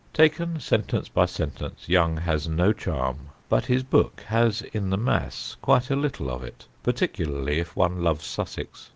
Taken sentence by sentence Young has no charm, but his book has in the mass quite a little of it, particularly if one loves Sussex.